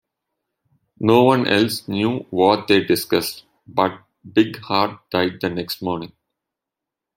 No one else knew what they discussed, but Bigheart died the next morning.